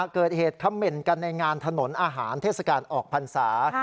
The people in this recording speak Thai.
เกิดเหตุคำเหม็นกันในงานถนนอาหารเทศกาลออกพรรษา